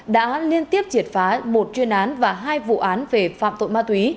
đã liên tiếp triệt phá một chuyên án và hai vụ án về phạm tội ma túy